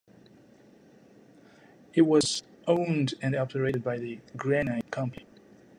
It was owned and operated by the granite company.